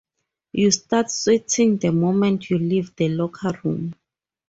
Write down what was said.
You start sweating the moment you leave the locker room.